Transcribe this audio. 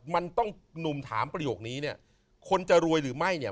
มันต้องหนุ่มถามประโยคนี้เนี่ยคนจะรวยหรือไม่เนี่ย